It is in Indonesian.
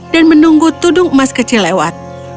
dan menunggu tudung emas kecil lewat